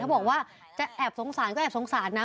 บอกว่าจะแอบสงสารก็แอบสงสารนะ